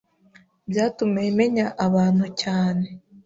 byatumye menya abantu cyane